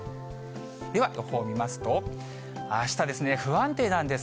では予報見ますと、あしたですね、不安定なんです。